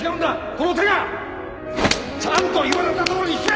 この手が！ちゃんと言われたとおり弾け！